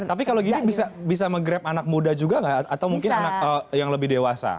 tapi kalau gini bisa nge grab anak muda juga nggak atau mungkin anak yang lebih dewasa